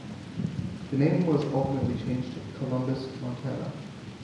The name was ultimately changed to Columbus, Montana.